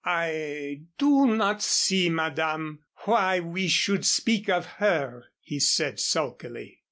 "I do not see, Madame, why we should speak of her," he said, sulkily.